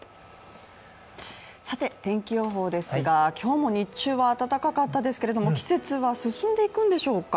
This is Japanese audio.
さて、天気予報ですが今日も日中は暖かかったですけれど季節は進んでいくんでしょうか。